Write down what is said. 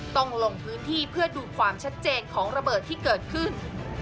ลงพื้นที่เพื่อดูความชัดเจนของระเบิดที่เกิดขึ้น